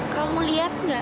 kamu lihat gak